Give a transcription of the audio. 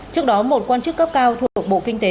trước đó một quan chức cấp cao thuộc bộ kinh tế